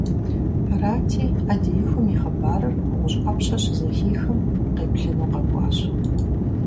Арати, Ӏэдиихум и хъыбарыр ГъущӀ Ӏэпщэ щызэхихым, къеплъыну къэкӀуащ.